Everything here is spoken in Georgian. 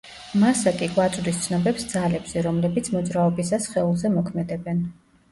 მასა კი გვაწვდის ცნობებს ძალებზე, რომლებიც მოძრაობისას სხეულზე მოქმედებენ.